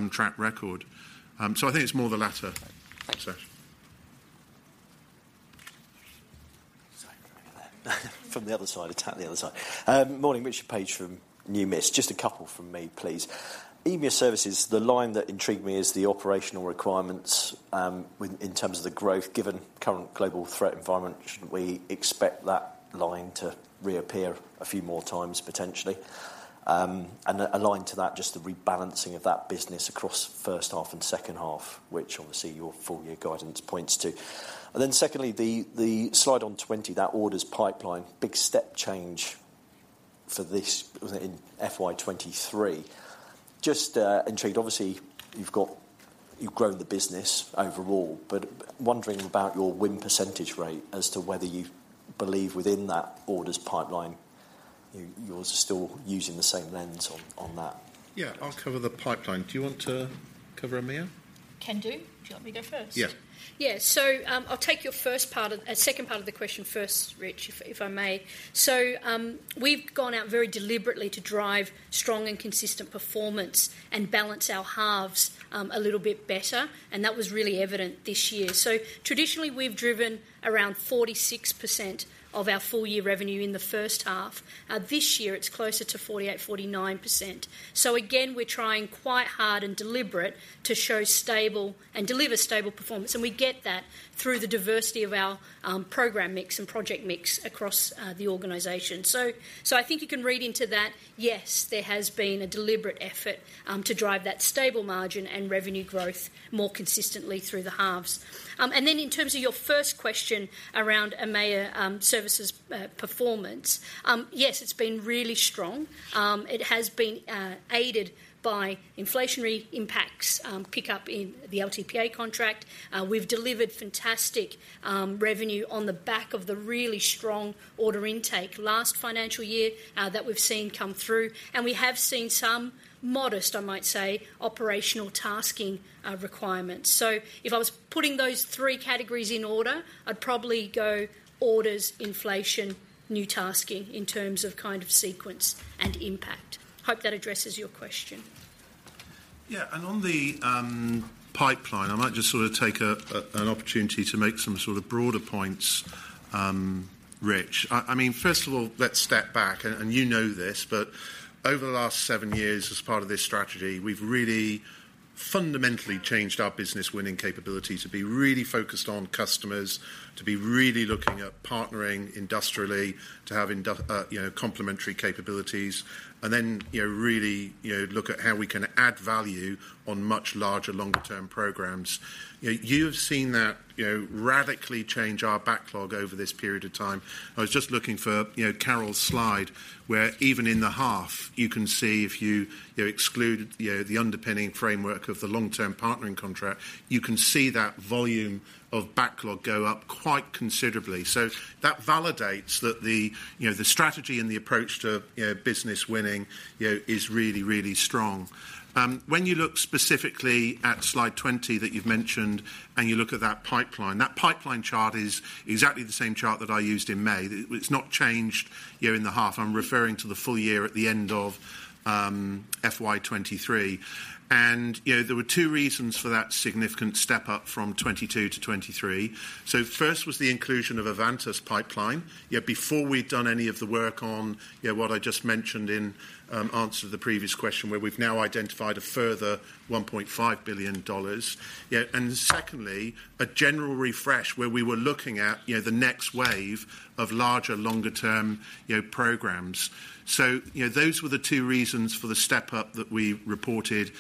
track record. So I think it's more the latter, Sasha. Sorry about that. Morning, Richard Page from Numis. Just a couple from me, please. EMEA Services, the line that intrigued me is the operational requirements, within terms of the growth, given current global threat environment, should we expect that line to reappear a few more times, potentially? And then aligned to that, just the rebalancing of that business across first half and second half, which obviously, your full year guidance points to. And then secondly, the slide on 20, that orders pipeline, big step change for this, was it in FY 2023? Just intrigued. Obviously, you've got, you've grown the business overall, but wondering about your win percentage rate as to whether you believe within that orders pipeline, you, you're still using the same lens on, on that? Yeah, I'll cover the pipeline. Do you want to cover EMEA? Can do. Do you want me to go first? Yeah. Yeah, so, I'll take your first part of second part of the question first, Rich, if I may. So, we've gone out very deliberately to drive strong and consistent performance and balance our halves a little bit better, and that was really evident this year. So traditionally, we've driven around 46% of our full-year revenue in the first half. This year it's closer to 48-49%. So again, we're trying quite hard and deliberate to show stable and deliver stable performance, and we get that through the diversity of our program mix and project mix across the organization. So, I think you can read into that, yes, there has been a deliberate effort to drive that stable margin and revenue growth more consistently through the halves. And then in terms of your first question around EMEA, services, performance, yes, it's been really strong. It has been aided by inflationary impacts, pick up in the LTPA contract. We've delivered fantastic revenue on the back of the really strong order intake last financial year, that we've seen come through, and we have seen some modest, I might say, operational tasking requirements. So if I was putting those three categories in order, I'd probably go orders, inflation, new tasking in terms of kind of sequence and impact. Hope that addresses your question. Yeah, and on the pipeline, I might just sort of take an opportunity to make some sort of broader points, Rich. I mean, first of all, let's step back, and you know this, but over the last seven years, as part of this strategy, we've really fundamentally changed our business-winning capability to be really focused on customers, to be really looking at partnering industrially, to have industrial, you know, complementary capabilities, and then, you know, really look at how we can add value on much larger, longer-term programs. You've seen that, you know, radically change our backlog over this period of time. I was just looking for, you know, Carol's slide, where even in the half you can see if you, you exclude, you know, the underpinning framework of the long-term partnering contract, you can see that volume of backlog go up quite considerably. So that validates that the, you know, the strategy and the approach to, you know, business winning, you know, is really, really strong. When you look specifically at slide 20 that you've mentioned, and you look at that pipeline, that pipeline chart is exactly the same chart that I used in May. It, it's not changed, you know, in the half. I'm referring to the full year at the end of FY 2023. And, you know, there were two reasons for that significant step up from 2022 to 2023. So first was the inclusion of Avantus pipeline, yet before we'd done any of the work on, you know, what I just mentioned in answer to the previous question, where we've now identified a further $1.5 billion. Yet. And secondly, a general refresh where we were looking at, you know, the next wave of larger, longer term, you know, programs. So, you know, those were the two reasons for the step up that we reported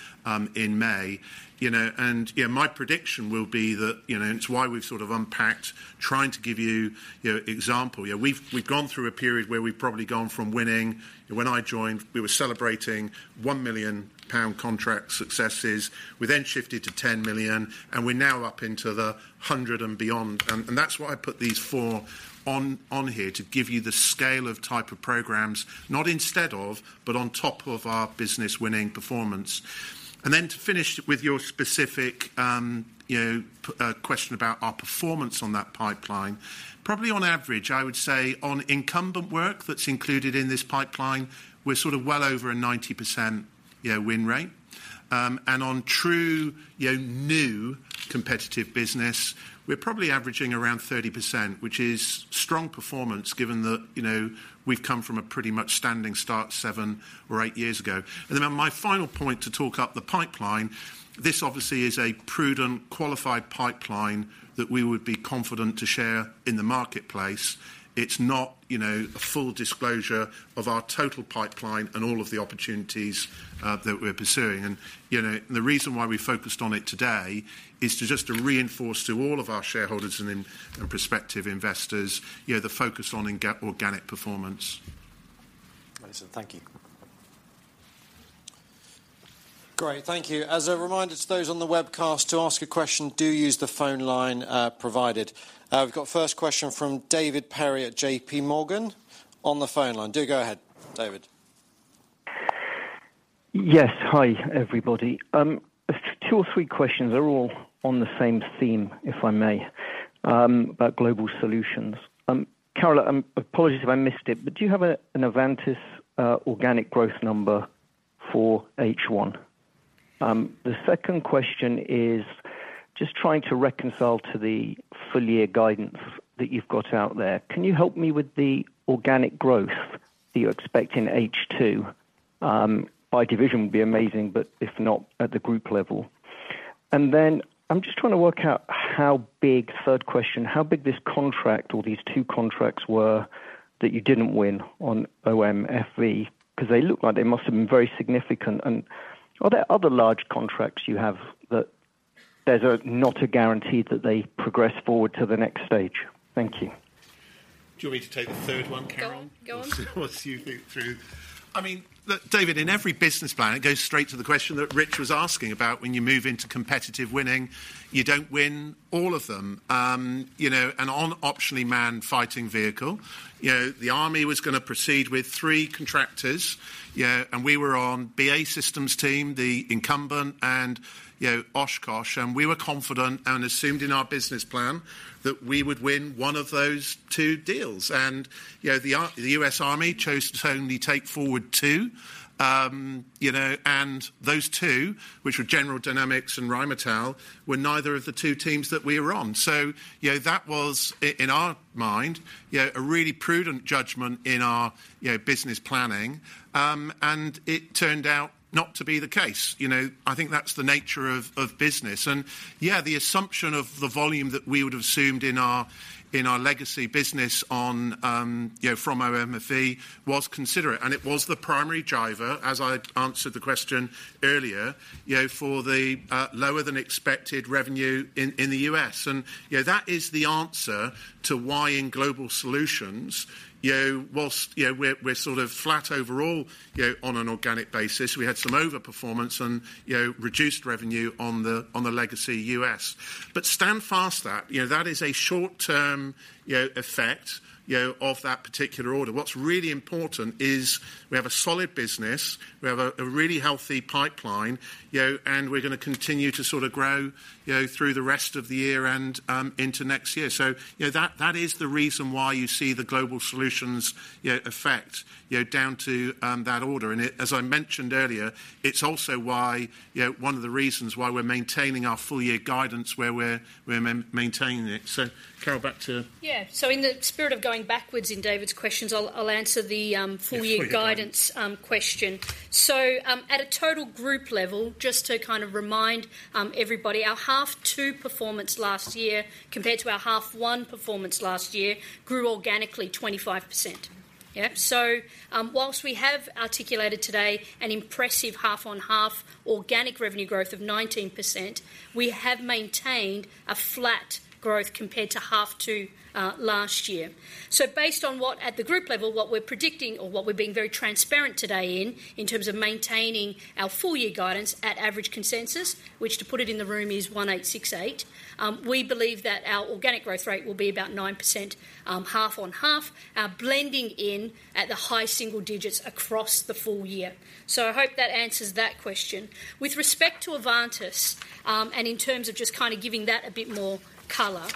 in May. You know, and, you know, my prediction will be that, you know, and it's why we've sort of unpacked, trying to give you, you know, example. You know, we've gone through a period where we've probably gone from winning. When I joined, we were celebrating 1 million pound contract successes. We then shifted to 10 million, and we're now up into the 100 and beyond. That's why I put these four on here to give you the scale of type of programs, not instead of, but on top of our business-winning performance. And then, to finish with your specific, you know, question about our performance on that pipeline, probably on average, I would say on incumbent work that's included in this pipeline, we're sort of well over a 90%, you know, win rate. And on true, you know, new competitive business, we're probably averaging around 30%, which is strong performance given that, you know, we've come from a pretty much standing start seven or eight years ago. And then my final point to talk up the pipeline, this obviously is a prudent, qualified pipeline that we would be confident to share in the marketplace. It's not, you know, a full disclosure of our total pipeline and all of the opportunities that we're pursuing. You know, the reason why we focused on it today is to just reinforce to all of our shareholders and prospective investors, you know, the focus on organic performance. Awesome. Thank you. Great, thank you. As a reminder to those on the webcast, to ask a question, do use the phone line, provided. We've got first question from David Perry at JPMorgan on the phone line. Do go ahead, David. Yes, hi, everybody. Two or three questions, they're all on the same theme, if I may, about global solutions. Carol, apologies if I missed it, but do you have a, an Avantus, organic growth number for H1? The second question is just trying to reconcile to the full year guidance that you've got out there. Can you help me with the organic growth that you expect in H2? By division would be amazing, but if not, at the group level. And then I'm just trying to work out how big, third question, how big this contract or these two contracts were that you didn't win on OMFV? 'Cause they look like they must have been very significant. And are there other large contracts you have that there's a, not a guarantee that they progress forward to the next stage? Thank you. Do you want me to take the third one, Carol? Go on, go on. Once you think through. I mean, look, David, in every business plan, it goes straight to the question that Rich was asking about when you move into competitive winning—you don't win all of them. You know, and on Optionally Manned Fighting Vehicle, you know, the army was gonna proceed with three contractors, yeah, and we were on BAE Systems team, the incumbent, and, you know, Oshkosh, and we were confident and assumed in our business plan that we would win one of those two deals. And, you know, the U.S. Army chose to only take forward two. You know, and those two, which were General Dynamics and Rheinmetall, were neither of the two teams that we were on. So, you know, that was in our mind, you know, a really prudent judgment in our, you know, business planning. And it turned out not to be the case, you know. I think that's the nature of business. And yeah, the assumption of the volume that we would have assumed in our legacy business on, you know, from OMFV was considerate, and it was the primary driver, as I answered the question earlier, you know, for the lower than expected revenue in the U.S. And, you know, that is the answer to why in Global Solutions, you know, whilst, you know, we're sort of flat overall, you know, on an organic basis, we had some overperformance and, you know, reduced revenue on the legacy U.S. But stand fast that, you know, that is a short-term, you know, effect, you know, of that particular order. What's really important is we have a solid business, we have a really healthy pipeline, you know, and we're gonna continue to sort of grow, you know, through the rest of the year and into next year. So, you know, that is the reason why you see the Global Solutions, you know, effect, you know, down to that order. And as I mentioned earlier, it's also why, you know, one of the reasons why we're maintaining our full year guidance where we're maintaining it. So, Carol, back to you. Yeah. So in the spirit of going backwards in David's questions, I'll answer the full year guidance question. So, at a total group level, just to kind of remind everybody, our half two performance last year, compared to our half one performance last year, grew organically 25%. Yeah, so, whilst we have articulated today an impressive half-on-half organic revenue growth of 19%, we have maintained a flat growth compared to half two last year. So based on what, at the group level, what we're predicting or what we're being very transparent today in, in terms of maintaining our full year guidance at average consensus, which, to put it in the room, is 1,868, we believe that our organic growth rate will be about 9%, half-on-half, blending in at the high single digits across the full year. So I hope that answers that question. With respect to Avantus, and in terms of just kind of giving that a bit more color,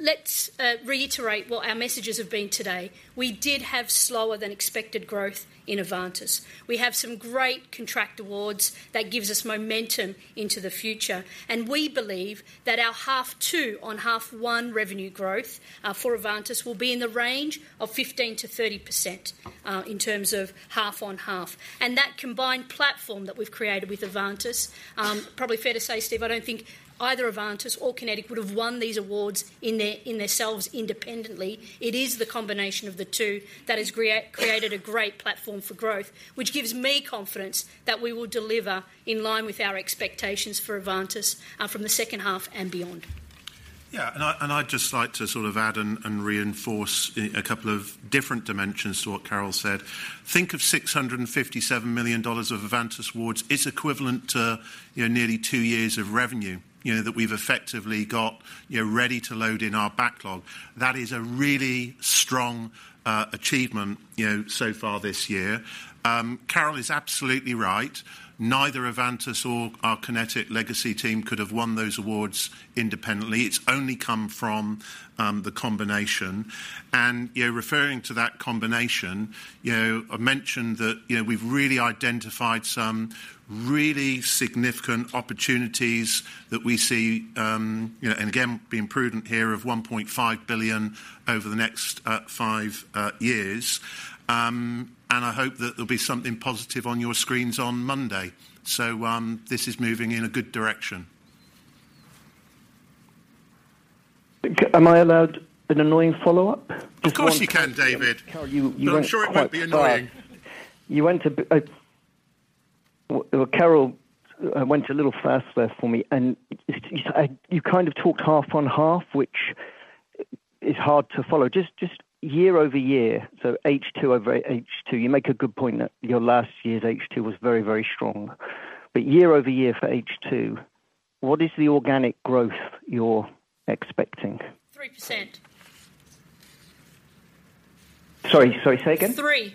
let's reiterate what our messages have been today. We did have slower than expected growth in Avantus. We have some great contract awards that gives us momentum into the future, and we believe that our half two on half one revenue growth, for Avantus will be in the range of 15%-30%, in terms of half-on-half. And that combined platform that we've created with Avantus, probably fair to say, Steve, I don't think either Avantus or QinetiQ would have won these awards in their, in theirselves independently. It is the combination of the two that has created a great platform for growth, which gives me confidence that we will deliver in line with our expectations for Avantus, from the second half and beyond. Yeah, and I'd just like to sort of add and reinforce a couple of different dimensions to what Carol said. Think of $657 million of Avantus awards is equivalent to, you know, nearly two years of revenue, you know, that we've effectively got, you know, ready to load in our backlog. That is a really strong achievement, you know, so far this year. Carol is absolutely right. Neither Avantus or our QinetiQ legacy team could have won those awards independently. It's only come from the combination. And, you know, referring to that combination, you know, I mentioned that, you know, we've really identified some really significant opportunities that we see, you know, and again, being prudent here, of $1.5 billion over the next five years. I hope that there'll be something positive on your screens on Monday. This is moving in a good direction. Am I allowed an annoying follow-up? Of course, you can, David. I'm sure it won't be annoying. You went a bit, well, Carol went a little fast there for me, and you kind of talked half-on-half, which is hard to follow. Just year-over-year, so H2 over H2, you make a good point that your last year's H2 was very, very strong. But year-over-year for H2, what is the organic growth you're expecting? Three percent. Sorry, sorry, say again? Three. Three. And,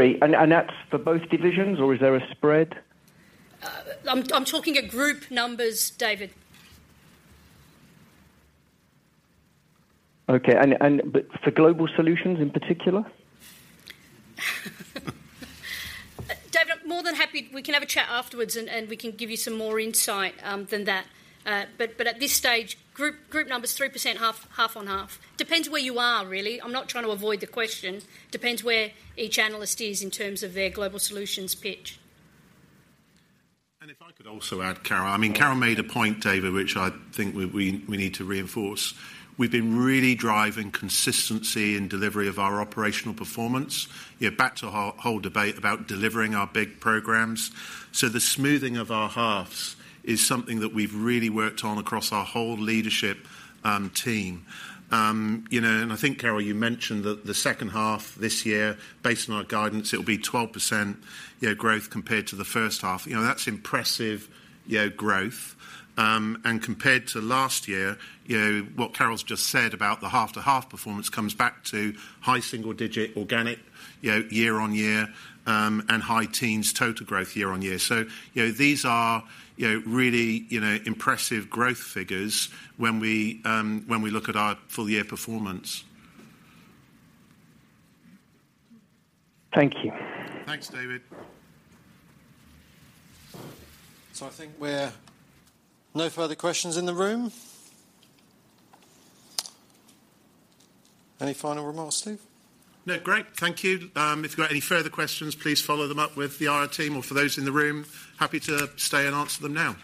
and that's for both divisions, or is there a spread? I'm talking at group numbers, David. Okay, but for Global Solutions in particular? David, I'm more than happy, we can have a chat afterwards, and we can give you some more insight than that. But at this stage, group numbers, 3%, half-on-half. Depends where you are, really. I'm not trying to avoid the question. Depends where each analyst is in terms of their Global Solutions pitch. And if I could also add, Carol. I mean, Carol made a point, David, which I think we need to reinforce. We've been really driving consistency in delivery of our operational performance. Yeah, back to our whole debate about delivering our big programs. So the smoothing of our halves is something that we've really worked on across our whole leadership team. You know, and I think, Carol, you mentioned that the second half this year, based on our guidance, it'll be 12% growth compared to the first half. You know, that's impressive growth. And compared to last year, you know, what Carol's just said about the half-to-half performance comes back to high single digit organic year-on-year and high teens total growth year-on-year. You know, these are, you know, really, you know, impressive growth figures when we, when we look at our full year performance. Thank you. Thanks, David. So I think we're... No further questions in the room? Any final remarks, Steve? No, great. Thank you. If you've got any further questions, please follow them up with the IR team, or for those in the room, happy to stay and answer them now.